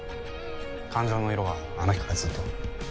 感情の色はあの日からずっと？